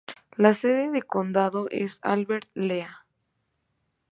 La sede de condado es Albert Lea.